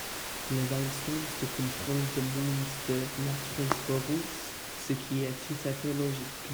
Les instances de contrôle demandent de la transparence, ce qui est tout à fait logique.